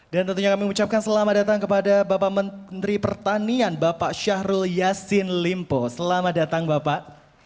dan tentunya kami ucapkan selamat datang kepada bapak menteri pertanian bapak syahrul yassin limpo selamat datang bapak